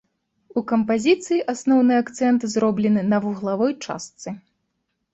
У кампазіцыі асноўны акцэнт зроблены на вуглавой частцы.